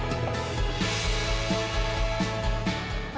aku bisa melihatnya dari segi pandangan